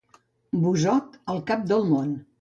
Busot, el cap del món.